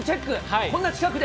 こんな近くで。